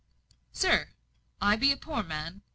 "Sir, I be a poor man.